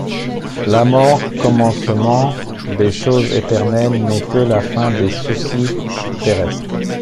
La mort, commencement des choses éternelles, n’est que la fin des soucis terrestres.